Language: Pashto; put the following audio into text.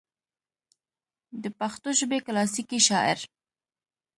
دَپښتو ژبې کلاسيکي شاعر